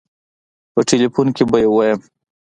په ټيليفون کې به يې ووايم.